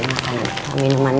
nih makan minuman ini